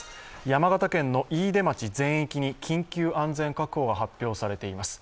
山形県の飯豊町全域に緊急安全確保が発表されています。